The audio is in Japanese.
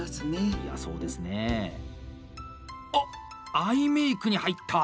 アイメイクに入った！